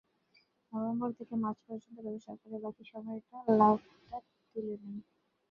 November থেকে March পর্যন্ত ব্যবসা করে বাকি সময়ের লাভটা তুলে নিই।